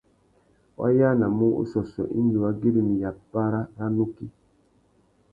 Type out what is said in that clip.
Wá yānamú ussôssô indi wa güirimiya párá râ nukí.